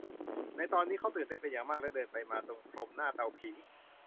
ในตอนนี้เขาตื่นเต้นเป็นอย่างมาก และเดินไปมาตรงพรมหน้าเตาผิง